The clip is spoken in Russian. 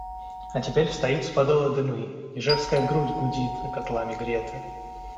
А теперь встают с Подола дымы, ижевская грудь гудит, котлами грета.